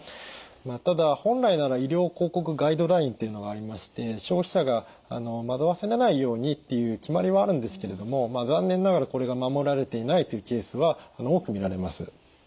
ただ本来なら医療広告ガイドラインっていうのがありまして消費者が惑わされないようにっていう決まりはあるんですけれども残念ながらこれが守られていないというケースは多く見られます。